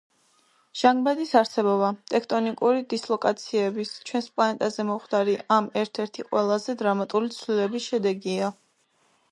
ჟანგბადის არსებობა, ტექტონიკური დისლოკაციების, ჩვენს პლანეტაზე მომხდარი ამ ერთ-ერთი ყველაზე დრამატული ცვლილებების შედეგია.